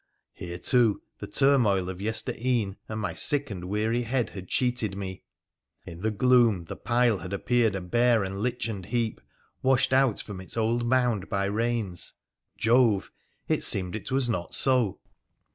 Here, too, the turmoil of yestere'en and my sick and weary head had cheated me. In the gloom the pile had appeared a bare and lichened heap washed out from its old mound by rains : but, Jove ! it seemed it was not so.